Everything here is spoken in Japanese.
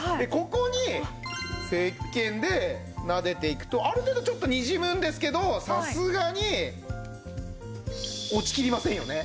ここにせっけんでなでていくとある程度ちょっとにじむんですけどさすがに落ちきりませんよね。